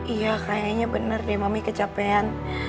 iya kayaknya bener deh mami kecapean